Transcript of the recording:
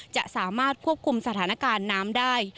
จะสามารถควบคุมสถานการณ์น้ำได้